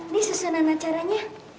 ini susunan acaranya